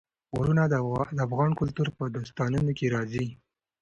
غرونه د افغان کلتور په داستانونو کې راځي.